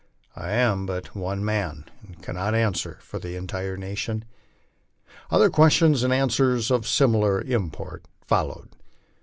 I am but one man, and cannot answer for the entire nation." Other questions and answers of similar import followed.